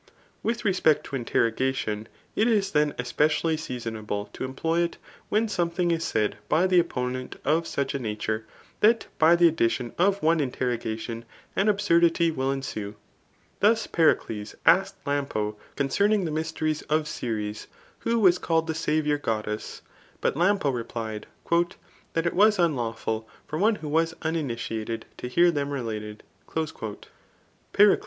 With respect to interrogation, it is then espedally seasonable to employ it, when something is said by the opponent of such a nature, that by the additbn of cme interrogation, an absurdity will etlsue. Thus Bericles CHAP. JCVIII# • HHBTORIC. 277 :^ed Lampo concerning the mysteries of Ceres, who w^s called the saviour godde$s ; but Lampo replied, That it was unlawful for one who was unini^ated to he^ tl^QOi related*'' Pencle?